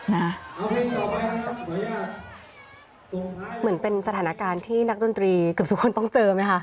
เหมือนเป็นสถานการณ์ที่นักดนตรีเกือบทุกคนต้องเจอไหมคะ